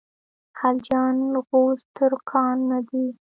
خلجیان غوز ترکان نه دي.